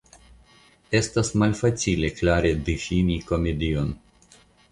Estas malfacile klare difini komedion.